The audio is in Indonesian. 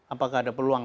apakah ada peluang